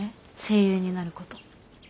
声優になること。